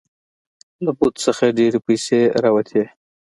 له بت څخه ډیرې پیسې راوتې.